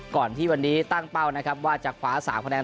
ก่อนที่วันนี้ตั้งเป้านะครับว่าจะคว้า๓คะแนน